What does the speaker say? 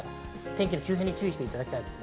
天気の急変に注意していただきたいです。